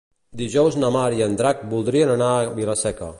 Dijous na Mar i en Drac voldrien anar a Vila-seca.